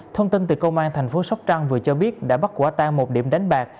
thông tin từ công an thành phố sóc trăng vừa cho biết đã bắt quả tan một điểm đánh bạc